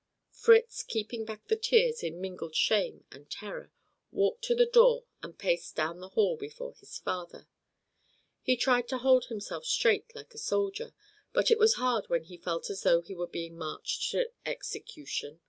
Fritz, keeping back the tears in mingled shame and terror, walked to the door and paced down the hall before his father. He tried to hold himself straight like a soldier, but it was hard when he felt as though he were being marched to execution.